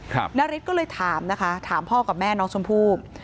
นาริสก็เลยถามนะคะถามพ่อกับแม่น้องชมพู่